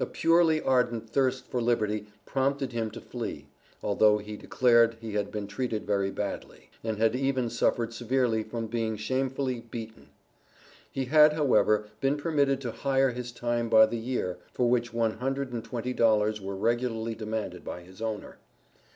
A purely ardent thirst for liberty prompted him to flee; although he declared that he had been treated very badly, and had even suffered severely from being shamefully "beaten." He had, however, been permitted to hire his time by the year, for which one hundred and twenty dollars were regularly demanded by his owner.